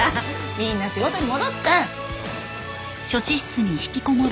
みんな仕事に戻って。